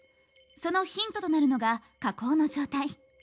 そのヒントとなるのが火口の状態。